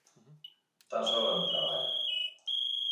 Tan só é un traballo